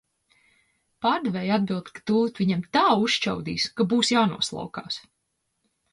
Pārdevēja atbild, ka tūlīt viņam tā uzšķaudīs, ka būs jānoslaukās.